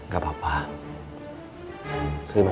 sampai ketemu disini